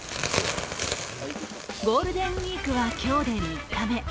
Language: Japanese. ゴールデンウイークは今日で３日目。